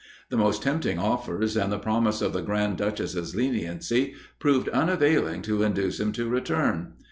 The most tempting offers, and the promise of the Grand Duchess's leniency, proved unavailing to induce him to return.